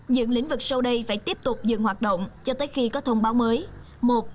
những lĩnh vực sau đây phải tiếp tục dừng hoạt động cho tới khi có thông báo mới